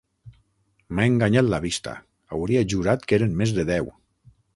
M'ha enganyat la vista: hauria jurat que eren més de deu.